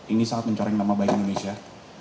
ini sangat mencoreng nama baik indonesia